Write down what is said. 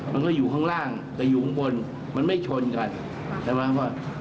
มันก็อยู่ข้างล่างแต่อยู่ข้างบนมันไม่ชนกันใช่ไหมว่า